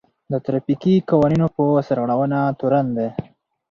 د ټرافيکي قوانينو په سرغړونه تورن دی.